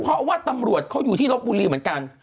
เพราะว่าตำรวจเขาอยู่ที่รบบุรีเหมือนกัน